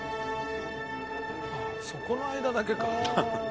ああそこの間だけか。